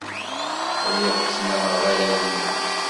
Lliɣ ttnaɣeɣ arraw-inu.